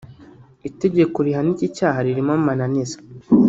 Itegeko rihana iki cyaha ririmo amananiza